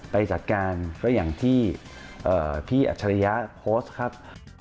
ไปจัดการก็อย่างที่พี่อัจฉริยะโพสต์ครับ